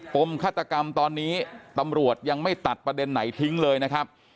มฆาตกรรมตอนนี้ตำรวจยังไม่ตัดประเด็นไหนทิ้งเลยนะครับ